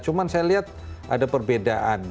cuma saya lihat ada perbedaan